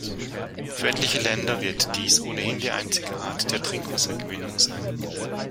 Für etliche Länder wird dies ohnehin die einzige Art der Trinkwassergewinnung sein.